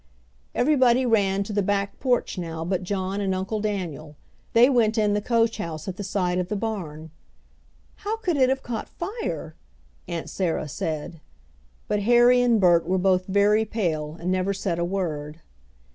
Everybody ran to the back porch now but John and Uncle Daniel. They went in the coach house at the side of the barn. "How could it have caught fire?" Aunt Sarah said. But Harry and Bert were both very pale, and never said a word.